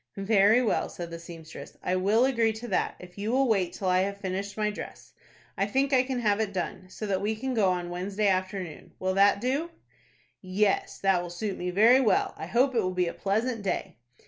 "Very well," said the seamstress, "I will agree to that, if you will wait till I have finished my dress. I think I can have it done, so that we can go on Wednesday afternoon. Will that do?" "Yes, that will suit me very well. I hope it will be a pleasant day."